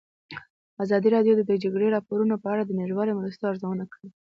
ازادي راډیو د د جګړې راپورونه په اړه د نړیوالو مرستو ارزونه کړې.